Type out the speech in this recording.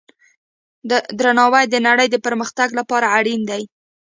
درناوی د نړۍ د پرمختګ لپاره اړین دی.